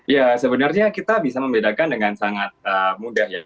ya sebenarnya kita bisa membedakan dengan sangat mudah ya